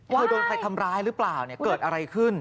เธอโดนใครทำร้ายหรือเปล่าเกิดอะไรขึ้น